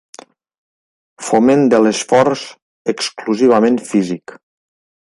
Foment de l'esforç exclusivament físic.